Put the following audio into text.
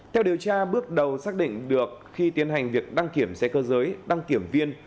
theo điều tra bước đầu xác định được khi tiến hành việc đăng kiểm xe cơ giới đăng kiểm viên